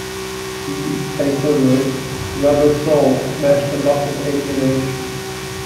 He later wrote: "Rubber Soul" smashed a lot of alienation.